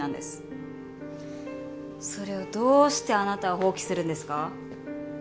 それをどうしてあなたは放棄するんですか？